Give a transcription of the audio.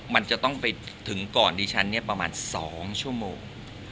มันจะต้องไปถึงก่อนดิฉันประมาณ๒ชั่วโมง